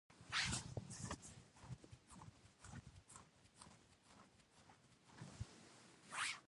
د سیستان جهیل مرغان له کوم ځای راځي؟